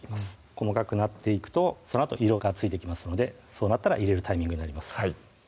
細かくなっていくとそのあと色がついてきますのでそうなったら入れるタイミングになります